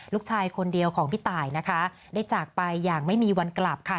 ลูกชายคนเดียวของพี่ตายนะคะได้จากไปอย่างไม่มีวันกลับค่ะ